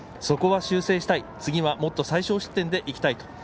そこは修正したい次はもっと最少失点でいきたいと。